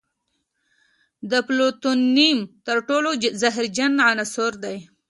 د پلوتونیم تر ټولو زهرجن عنصر دی.